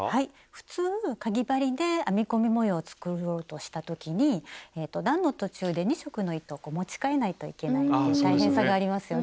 普通かぎ針で編み込み模様を作ろうとした時に段の途中で２色の糸をこう持ちかえないといけないという大変さがありますよね。